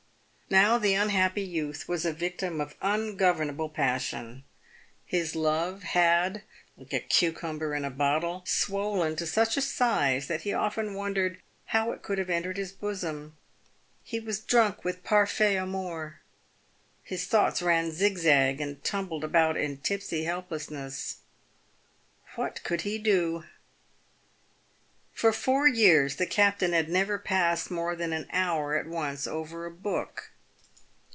Now the unhappy youth was a victim of ungovernable passion. His love had, like a cucumber in a bottle, swollen to such a size that he often wondered how it could have entered his bosom. He was drunk with parfait amour. His thoughts ran zigzag, and tumbled about in tipsy helplessness. What could he do ? For four years the captain had never passed more than an hour at once over a book.